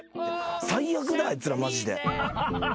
最悪だあいつらマジで。